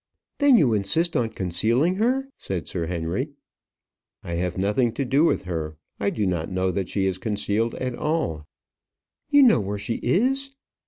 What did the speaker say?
"Then you insist on concealing her?" said Sir Henry. "I have nothing to do with her. I do not know that she is concealed at all." "You know where she is?"